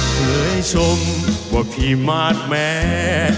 เพื่อให้ชมว่าพี่มาดแม่